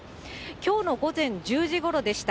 きょうの午前１０時ごろでした。